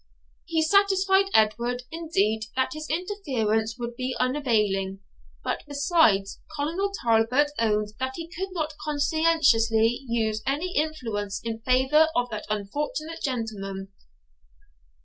He satisfied Edward, indeed, that his interference would be unavailing; but, besides, Colonel Talbot owned that he could not conscientiously use any influence in favour of that unfortunate gentleman.